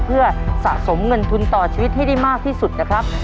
เพื่อสะสมเงินทุนต่อชีวิตให้ได้มากที่สุดนะครับ